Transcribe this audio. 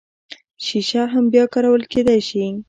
شیشه هم بیا کارول کیدی شي